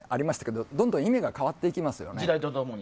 言葉ってさっきもありましたがどんどん意味が変わっていきますよね。